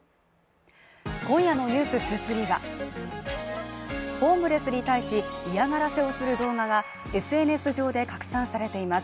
今夜の「ｎｅｗｓ２３」はホームレスに対し嫌がらせをする動画がＳＮＳ上で拡散されています